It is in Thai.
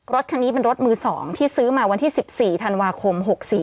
รถคันนี้เป็นรถมือ๒ที่ซื้อมาวันที่๑๔ธันวาคม๖๔